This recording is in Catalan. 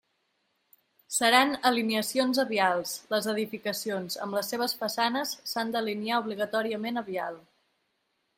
Seran alineacions a vials, les edificacions, amb les seves façanes, s'han d'alinear obligatòriament a vial.